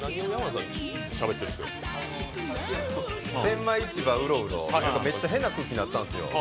さっきの天満市場うろうろ、めっちゃ変な空気になったんですよ。